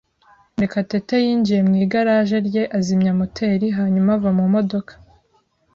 Murekatete yinjiye mu igaraje rye, azimya moteri, hanyuma ava mu modoka.